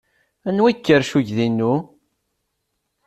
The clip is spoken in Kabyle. Anwa ay ikerrec uydi-inu?